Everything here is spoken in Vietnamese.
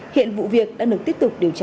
hiện vụ việc đang được tiếp tục điều tra